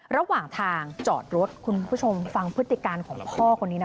ระหว่างทางจอดรถคุณผู้ชมฟังพฤติการของพ่อคนนี้นะ